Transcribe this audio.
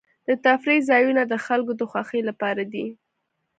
د تفریح ځایونه د خلکو د خوښۍ لپاره دي.